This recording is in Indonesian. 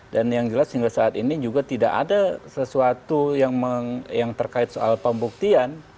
dan yang jelas hingga saat ini juga tidak ada sesuatu yang terkait soal pembuktian